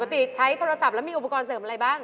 ติใช้โทรศัพท์แล้วมีอุปกรณ์เสริมอะไรบ้าง